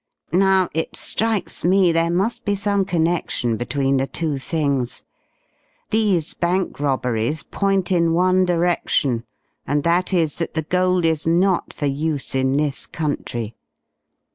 Now it strikes me there must be some connection between the two things. These bank robberies point in one direction, and that is, that the gold is not for use in this country.